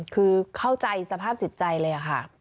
คือเข้าใจสภาพจิตใจเลยค่ะ